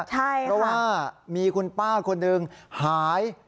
เพราะว่ามีคุณป้าคนหนึ่งหาย